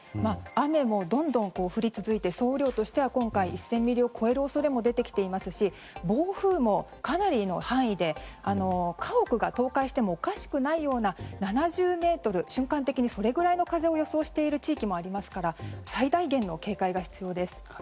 雨もどんどん降り続いて総雨量としては今回１０００ミリを超える恐れも出てきていますし暴風もかなりの範囲で家屋が倒壊してもおかしくないような７０メートル瞬間的にそれぐらいの風を予想している地域もありますから最大限の警戒が必要です。